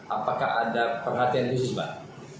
apakah ada perhatian khusus pak